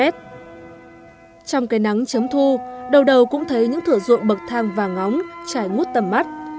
trong cây nắng chấm thu đầu đầu cũng thấy những thửa ruộng bậc thang và ngóng trải ngút tầm mắt